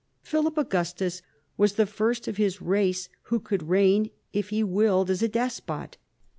Philip Augustus was the first of his race who could reign if he willed as a despot.